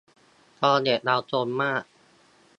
ตอนเด็กเราซนมาก